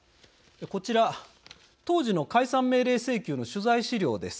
こちら、当時の解散命令請求の取材資料です。